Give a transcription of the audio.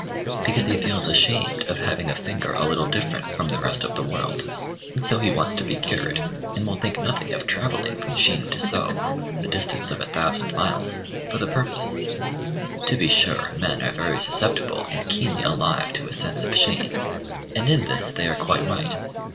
Because he feels ashamed of having a finger a little different from the rest of the world, and so he wants to be cured, and will think nothing of travelling from Shin to So a distance of a thousand miles for the purpose. To be sure, men are very susceptible and keenly alive to a sense of shame; and in this they are quite right.